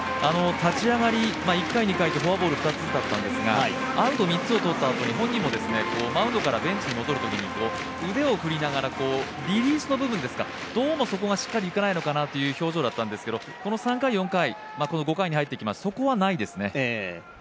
立ち上がり１回、２回とフォアボールだったんですが、アウト３つとったあとに本人もマウンドからベンチに戻るときに腕を振りながら、リリースの部分ですか、どうもそこがしっかりいかないのかなという表情だったんですけど、この３回、４回、５回に入ってそれはなくなっています。